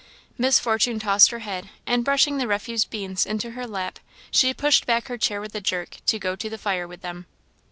Miss Fortune tossed her head, and brushing the refuse beans into her lap, she pushed back her chair with a jerk, to go to the fire with them.